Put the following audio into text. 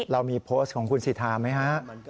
เรามีโพสต์ของคุณสิทธาไหมฮะ